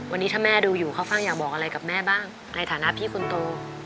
วันนี้ถ้าแม่ดูอยู่ข้าวฟ่างอยากบอกอะไรกับแม่บ้างในฐานะพี่คนโต